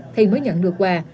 thì mới nhận được quà